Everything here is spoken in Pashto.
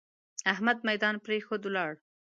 احمد ميدان پرېښود؛ ولاړ.